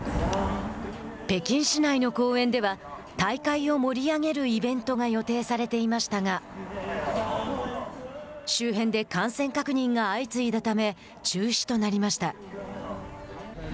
北京市内の公園では大会を盛り上げるイベントが予定されていましたが周辺で感染確認が相次いだため中止となりました。